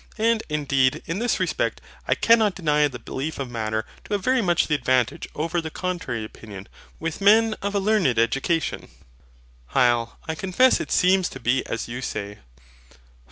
And indeed in this respect I cannot deny the belief of Matter to have very much the advantage over the contrary opinion, with men of a learned education. HYL. I confess it seems to be as you say.